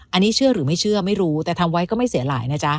อันนี้เชื่อหรือไม่เชื่อไม่รู้แต่ทำไว้ก็ไม่เสียหลายนะจ๊ะ